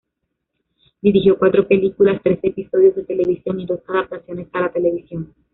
Dirigió cuatro películas, trece episodios de televisión y dos adaptaciones a la televisión.